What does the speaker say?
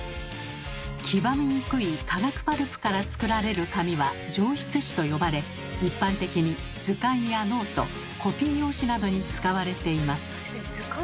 黄ばみにくい化学パルプから作られる紙は「上質紙」と呼ばれ一般的に図鑑やノートコピー用紙などに使われています。